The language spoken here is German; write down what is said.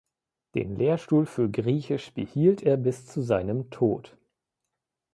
Den Lehrstuhl für Griechisch behielt er bis zu seinem Tod.